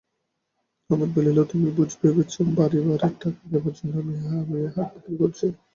কুমুদ বলিল, তুমি বুঝি ভেবেছ বাড়িভাড়ার টাকা দেবার জন্যই আমি হার বিক্রি করেছি?